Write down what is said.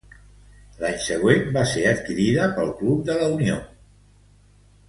L'any següent, va ser adquirida pel Club de la Unión.